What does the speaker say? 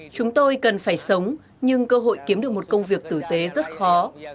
chúng tôi cần phải sống nhưng cơ hội kiếm được một công việc tử tế rất khó